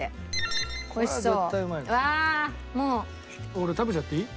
俺食べちゃっていい？